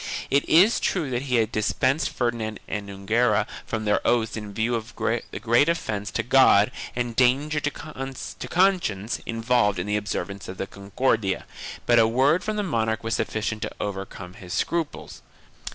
It is true that he had dispensed Ferdinand and Enguera from their oaths in view of the great offence to God and danger to conscience involved in the observance of the Concordia, but a word from the monarch was sufficient to overcome his scruples.